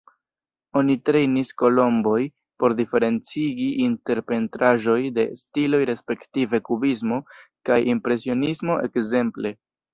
Oni trejnis kolomboj por diferencigi inter pentraĵoj de stiloj respektive kubismo kaj impresionismo ekzemple.